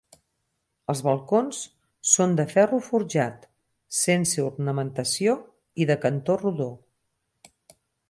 Els balcons són de ferro forjat, sense ornamentació i de cantó rodó.